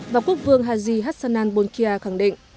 và quốc vương haji hassanan bolkiah khẳng định